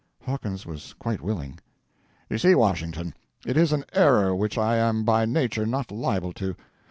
Hawkins was quite willing. "You see, Washington, it is an error which I am by nature not liable to.